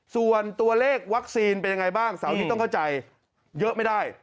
ส่วนตัวเลขวัคซีนเป็นยังไงบ้างเสาร์นี้ต้องเข้าใจเยอะไม่ได้